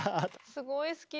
すごい好き